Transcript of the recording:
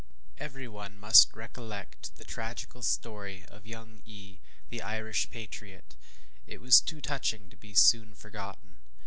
Every one must recollect the tragical story of young E , the Irish patriot; it was too touching to be soon forgotten.